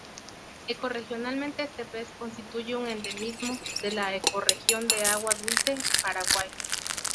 Ecorregionalmente este pez constituye un endemismo de la ecorregión de agua dulce Paraguay.